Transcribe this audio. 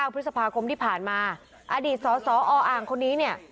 พฤษภาคมที่ผ่านมาอดีตสสออ่างคนนี้เนี่ย